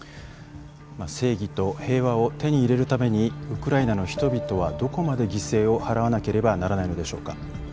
戦争と平和を手に入れるためにウクライナの人々はどこまで犠牲を払わなければならないのでしょうか。